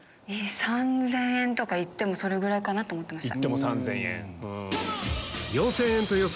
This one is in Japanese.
３０００円とか行ってもそれぐらいかなと思ってました。